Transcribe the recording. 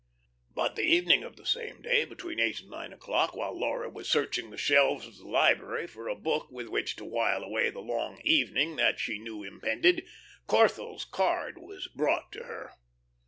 But the evening of the same day, between eight and nine o'clock, while Laura was searching the shelves of the library for a book with which to while away the long evening that she knew impended, Corthell's card was brought to her.